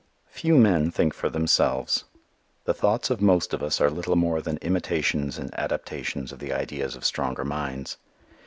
Few men think for themselves. The thoughts of most of us are little more than imitations and adaptations of the ideas of stronger minds.